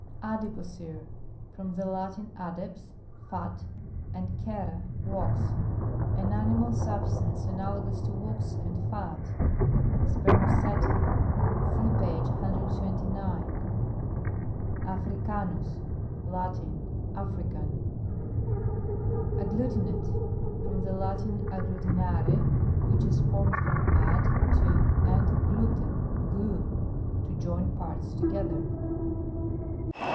ADIPOCIRE From the Latin adeps, fat, and cera, wax: an animal sub stance analogous to wax and fat; spermaceti. (See page 1*29.) AFRICANUS Latin. African. AGGLUTINATE. From the Latin ag. glutinure, which is formed from ad t to, and gluten, glue : to join parts together.